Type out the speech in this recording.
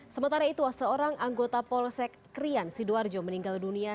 sementara itu seorang anggota polsek krian sidoarjo meninggal dunia